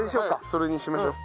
それにしましょう。